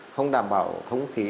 không đảm bảo thống khí